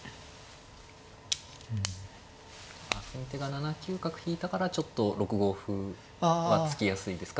先手が７九角引いたからちょっと６五歩は突きやすいですか？